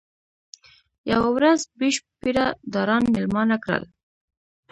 یوه ورځ بیشپ پیره داران مېلمانه کړل.